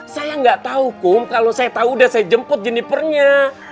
saya nggak tahu kum kalau saya tahu udah saya jemput jennifer nya